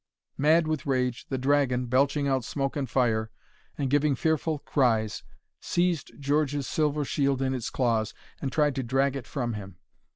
Mad with rage, the dragon, belching out smoke and fire, and giving fearful cries, seized George's silver shield in its claws and tried to drag it from him.